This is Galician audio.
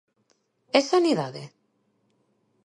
¿É Sanidade?